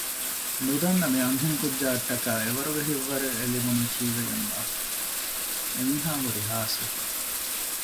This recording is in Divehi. ނުދަންނަ މިއަންހެން ކުއްޖާއަށްޓަކައި އެވަރުގެ ހިތްވަރެއް އެލިބުނީ ކީއްވެގެންބާއެވެ؟ އެމީހާ ހުރީ ހާސްވެފަ